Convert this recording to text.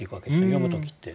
読む時って。